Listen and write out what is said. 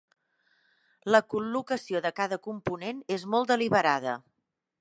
La col·locació de cada component és molt deliberada.